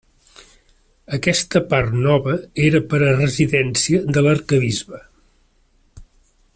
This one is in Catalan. Aquesta part nova era per a residència de l'arquebisbe.